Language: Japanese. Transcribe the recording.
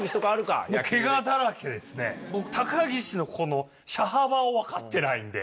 高岸のこの車幅を分かってないんで。